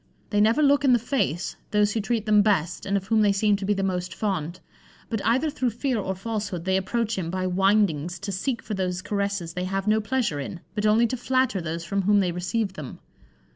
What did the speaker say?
They never look in the face those who treat them best, and of whom they seem to be the most fond; but either through fear or falsehood, they approach him by windings to seek for those caresses they have no pleasure in, but only to flatter those from whom they receive them.